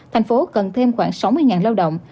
tp hcm cần thêm khoảng sáu mươi lao động